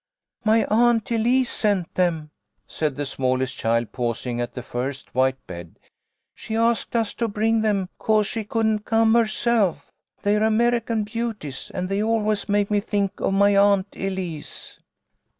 "My Aunt Elise sent them," said the smallest child, pausing at the first white bed. " She asked us to bring them 'cause she couldn't rome herself. They're American Beauties and they always make me think of my Aunt Elise."